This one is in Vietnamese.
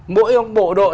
mỗi ông bộ đội